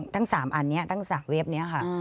ทั้ง๓อันนี้ตั้งจากเว็บนี้ค่ะ